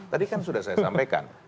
tadi kan sudah saya sampaikan